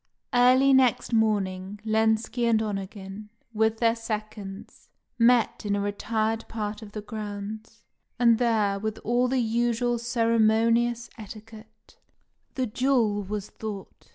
Early next morning, Lenski and Onegin, with their seconds, met in a retired part of the grounds, and there, with all the usual ceremonious etiquette, the duel was fought.